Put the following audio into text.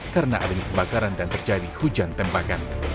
karena ada kebakaran di sejumlah titik